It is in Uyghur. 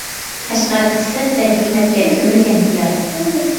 قەشقەر خىسلەت ۋە ھېكمەتكە كۆمۈلگەن دىيار!